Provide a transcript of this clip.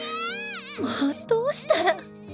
もうどうしたら。